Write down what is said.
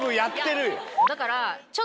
だから。